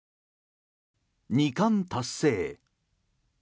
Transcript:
２冠達成。